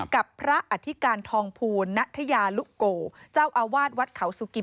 กับพระอธิการทองภูลณัทยาลุโกเจ้าอาวาสวัดเขาสุกิ